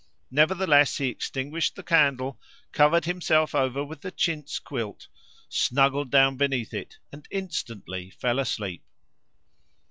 Nevertheless he extinguished the candle, covered himself over with the chintz quilt, snuggled down beneath it, and instantly fell asleep.